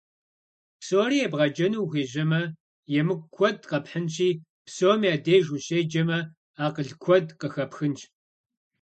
Псори ебгъэджэну ухуежьэмэ, емыкӀу куэд къэпхьынщи, псом я деж ущеджэмэ, акъыл куэд къыхэпхынщ.